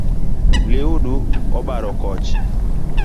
Liudu obaro koch .